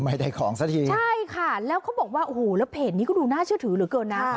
ไม่ได้ของซะทีใช่ค่ะแล้วเขาบอกว่าโอ้โหแล้วเพจนี้ก็ดูน่าเชื่อถือเหลือเกินนะ